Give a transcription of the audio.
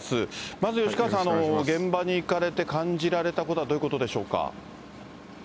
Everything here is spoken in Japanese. まず吉川さん、現場に行かれて感じられたことは、どういうことでしょうか。